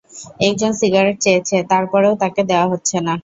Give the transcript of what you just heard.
একজন সিগারেট চেয়েছে, তার পরেও তাকে দেওয়া হচ্ছে না।